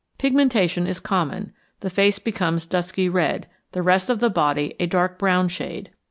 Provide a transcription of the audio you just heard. Pigmentation is common; the face becomes dusky red, the rest of the body a dark brown shade.